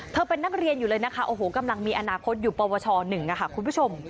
เป็นนักเรียนอยู่เลยนะคะโอ้โหกำลังมีอนาคตอยู่ปวช๑ค่ะคุณผู้ชม